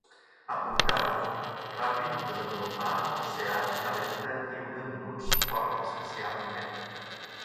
Apuntau: ràpid, desenvolupar, oceà, calenta, lliure, minuts, fort, especial, ment